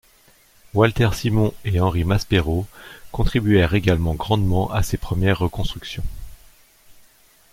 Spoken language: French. Walter Simon et Henri Maspero contribuèrent également grandement à ces premières reconstructions.